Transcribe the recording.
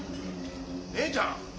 姉ちゃん！